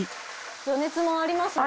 余熱もありますもんね。